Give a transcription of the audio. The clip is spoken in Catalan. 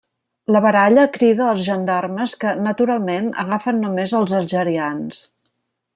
La baralla crida els gendarmes que, naturalment, agafen només els Algerians.